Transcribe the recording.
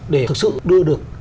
để thực sự đưa được